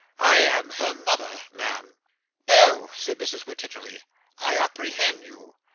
I am her mother, ma'am.' 'Oh!' said Mrs. Wititterly, 'I apprehend you.